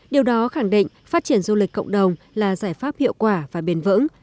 điều đó khẳng định phát triển du lịch cộng đồng là giải pháp hiệu quả và bền vững